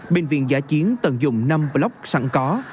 bệnh viện giã chiến tận dụng năm block sẵn có